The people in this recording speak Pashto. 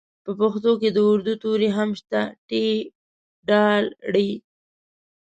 په پښتو کې د اردو توري هم شته ټ ډ ړ